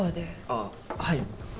ああはい。